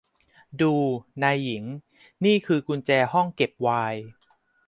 ดู นายหญิง นี่คือกุญแจห้องเก็บไวน์